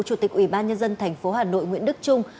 chủ tịch ủy ban nhân dân tp hà nội nguyễn đức trung